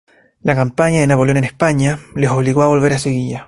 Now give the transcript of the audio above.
La campaña de Napoleón en España, les obligó a volver a Sevilla.